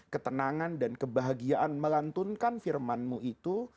ketenangan dan kebahagiaan melantunkan firmanmu itu